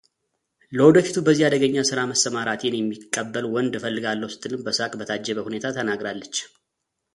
ለወደፊቱ በዚህ አደገኛ ሥራ መሰማራቴን የሚቀበል ወንድ እፈልጋለሁ ስትልም በሳቅ በታጀበ ሁኔታ ተናግራለች።